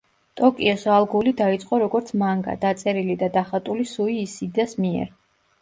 ტოკიოს ალგული დაიწყო როგორც მანგა, დაწერილი და დახატული სუი ისიდას მიერ.